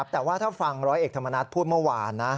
แต่ว่าถ้าฟังร้อยเอกธรรมนัฐพูดเมื่อวานนะ